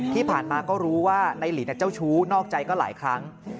ที่ผ่านมาก็รู้ว่าในหลินเจ้าชู้นอกใจก็หลายครั้ง